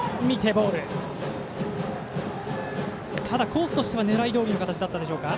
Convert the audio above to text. コースとしては狙いどおりの形でしたでしょうか。